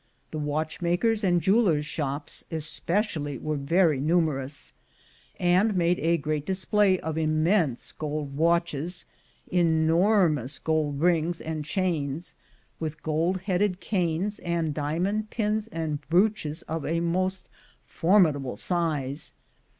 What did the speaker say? The watchmakers' and jewelers' shops especially were very numerous, and made a great display of immense gold watches, enormous gold rings and chains, with gold headed canes, and diamond pins and brooches of a most formidable size.